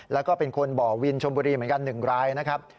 แล้วก็เป็นคนบ่อวินชมบุรีเหมือนกัน๑รายนะครับ